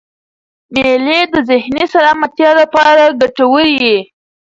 مېلې د ذهني سلامتۍ له پاره ګټوري يي.